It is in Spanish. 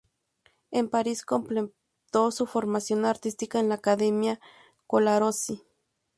En París, completó su formación artística en la Academia Colarossi.